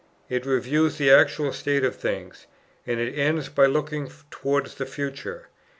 It reviews the actual state of things, and it ends by looking towards the future.